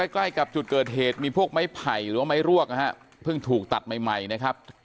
ใกล้กับจุดเกิดเหตุมีพวกไม้ไผ่หรือว่าไม้รวกนะฮะเพิ่งถูกตัดใหม่ใหม่นะครับ